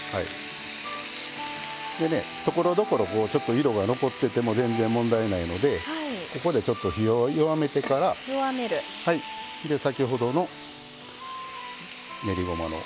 でねところどころちょっと色が残ってても全然問題ないのでここでちょっと火を弱めてから先ほどの練りごまの合わせ調味料ですね。